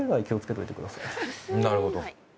なるほど。